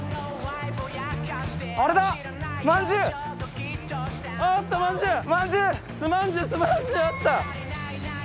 あった！